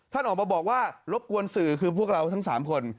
ท่านออกมาบอกว่ารบกวนสื่อคือพวกเราทั้ง๓คน